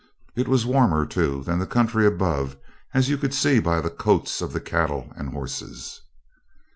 It was warmer, too, than the country above, as you could see by the coats of the cattle and horses.